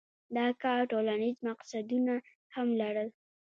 دا کار ټولنیز مقصدونه هم لرل.